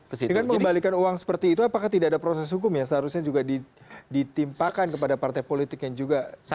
dengan mengembalikan uang seperti itu apakah tidak ada proses hukum yang seharusnya juga ditimpakan kepada partai politik yang juga